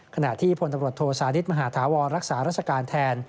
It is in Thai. ขณะที่พลตำรวจโทสานิทมหาธาวรรักษาราชการแทน